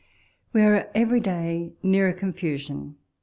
We are every day nearer confusion.